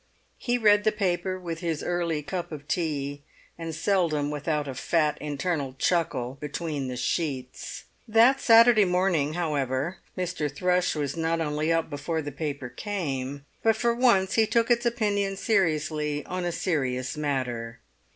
He read the paper with his early cup of tea, and seldom without a fat internal chuckle between the sheets. That Saturday morning, however, Mr. Thrush was not only up before the paper came, but for once he took its opinion seriously on a serious matter.